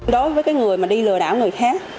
đối với người đi lừa đảo người khác